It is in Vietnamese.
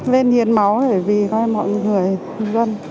lên hiến máu để vì mọi người dân